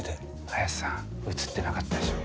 林さん映ってなかったでしょ。